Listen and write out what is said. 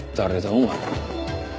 お前。